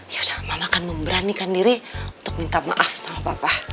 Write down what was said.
ya dan mama akan memberanikan diri untuk minta maaf sama papa